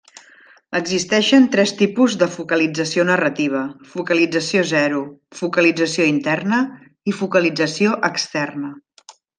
Existeixen tres tipus de focalització narrativa: focalització zero, focalització interna i focalització externa.